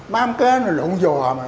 mắm ké là lộn giò mà